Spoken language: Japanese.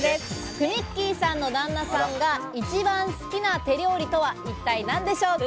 くみっきーさんの旦那さんが一番好きな手料理とは一体何でしょうか？